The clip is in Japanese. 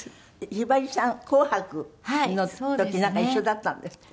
ひばりさん『紅白』の時なんか一緒だったんですって？